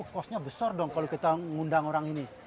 kosnya besar dong kalau kita ngundang orang ini